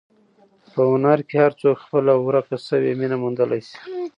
په هنر کې هر څوک خپله ورکه شوې مینه موندلی شي.